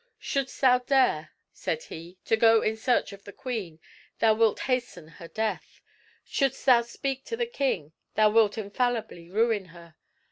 "Shouldst thou dare," said he, "to go in search of the queen, thou wilt hasten her death. Shouldst thou speak to the king, thou wilt infallibly ruin her.